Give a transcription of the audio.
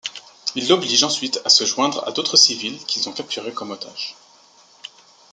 Ils l'obligent ensuite à se joindre à d'autres civils qu'ils ont capturés comme otages.